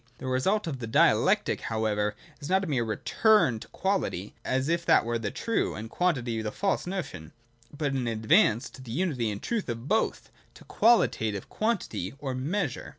The result of the dialectic however is not a mere return to quality, as if that were the true and quantity the false notion, but an advance to the unity and truth of both, to qualitative quantity, or Measure.